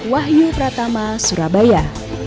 wahyu pratama surabaya